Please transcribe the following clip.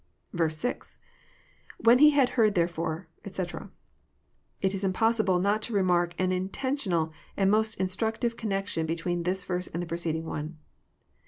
^.—IWhen he had heard therefore, eto.] It is impossible not to re mark an intentional and most instructive connection between this verse and the preceding one.